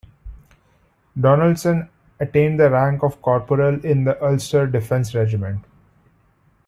Donaldson attained the rank of corporal in the Ulster Defence Regiment.